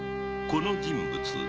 この人物